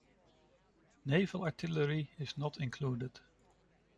Naval artillery is not included.